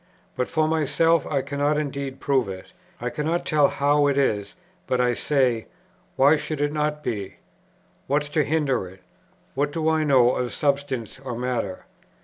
But for myself, I cannot indeed prove it, I cannot tell how it is; but I say, "Why should it not be? What's to hinder it? What do I know of substance or matter?